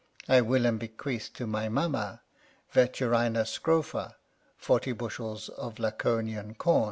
I will and bequeath to my mamma, Veturina Scrofa, 40 bush, of Laconian com.